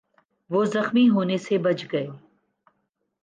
وہ زخمی ہونے سے بچ گئے